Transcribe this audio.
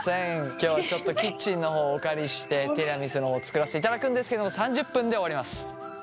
今日ちょっとキッチンの方お借りしてティラミスの方作らせていただくんですけども３０分で終わります。